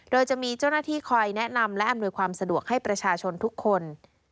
โดยจะมีเจ้าหน้าที่คอยแนะนำและอำนวยความสะดวกให้ประชาชนทุกคน